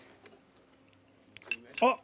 あっ。